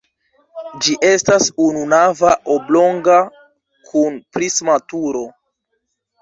Ĝi estas ununava oblonga kun prisma turo.